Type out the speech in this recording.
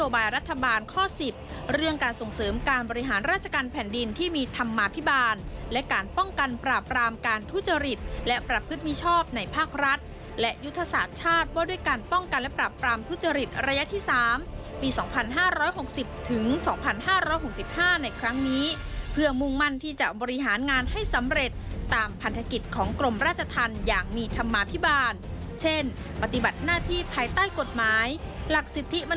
บาลข้อ๑๐เรื่องการส่งเสริมการบริหารราชการแผ่นดินที่มีธรรมาภิบาลและการป้องกันปราบปรามการทุจริตและประพฤติบิชอบในภาครัฐและยุทธศาสตร์ชาติว่าด้วยการป้องกันและปราบปรามทุจริตระยะที่๓ปี๒๕๖๐๒๕๖๕ในครั้งนี้เพื่อมุ่งมั่นที่จะบริหารงานให้สำเร็จตามพันธกิจของกรมราชธรรม